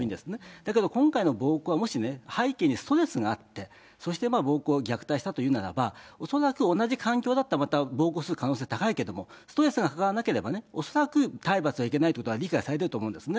だけど今回の暴行は、もしね、背景にストレスがあって、そして暴行、虐待したというのならば、恐らく同じ環境だったら、また暴行する可能性高いけれども、ストレスが加わらなければ、恐らく体罰はいけないということは理解されてると思うんですね。